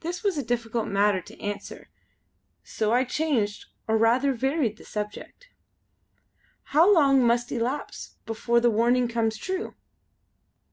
This was a difficult matter to answer so I changed or rather varied the subject. "How long must elapse before the warning comes true?"